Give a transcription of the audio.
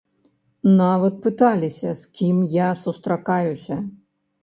Нават пыталіся, з кім я сустракаюся.